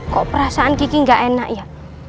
kok perasaan gigi nggak enak ya